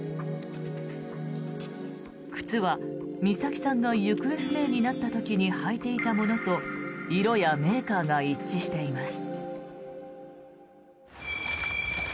靴は、美咲さんが行方不明になった時に履いていたものと色やメーカーが一致しています。